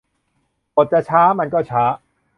บทจะช้ามันก็ช้า